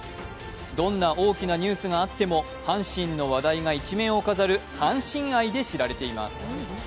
どんな大きなニュースがあっても阪神の話題が１面を飾る阪神愛で知られています。